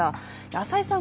朝井さん